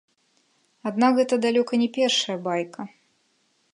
Аднак гэта далёка не першая байка.